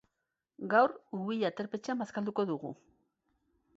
Gaur Ubilla aterpetxean bazkalduko dugu.